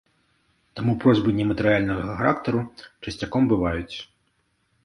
Таму просьбы нематэрыяльнага характару часцяком бываюць.